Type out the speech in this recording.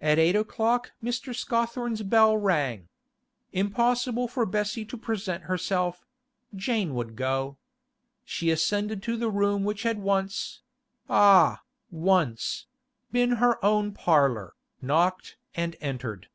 At eight o'clock Mr. Scawthorne's bell rang. Impossible for Bessie to present herself; Jane would go. She ascended to the room which had once—ah! once!—been her own parlour, knocked and entered.